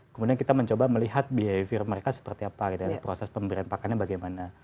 kemudian kita mencoba melihat behavior mereka seperti apa proses pemberian pakannya bagaimana